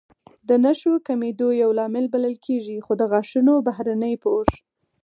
د نښو کمېدو یو لامل بلل کېږي، خو د غاښونو بهرنی پوښ